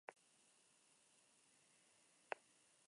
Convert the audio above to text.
Además, se publicaban artículos de crítica y comentarios de literatura.